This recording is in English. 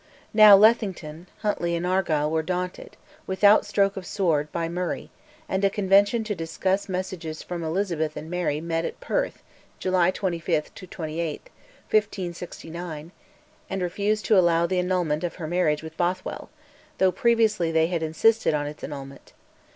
Now Lethington, Huntly, and Argyll were daunted, without stroke of sword, by Murray, and a Convention to discuss messages from Elizabeth and Mary met at Perth (July 25 28, 1569), and refused to allow the annulment of her marriage with Bothwell, though previously they had insisted on its annulment.